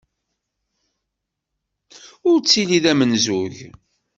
Ur ttili d amenzug.